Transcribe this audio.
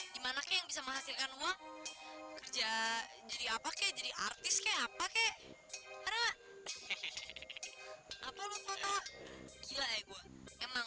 gimana yang bisa menghasilkan uang kerja jadi apa kek jadi artis kek apa kek apa lo gila emang